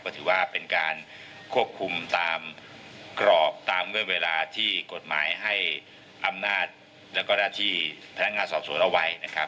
ก็ถือว่าเป็นการควบคุมตามกรอบตามเงื่อนเวลาที่กฎหมายให้อำนาจแล้วก็หน้าที่พนักงานสอบสวนเอาไว้นะครับ